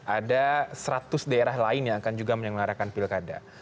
ada seratus daerah lain yang akan juga menyelenggarakan pilkada